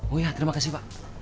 oh ya terima kasih pak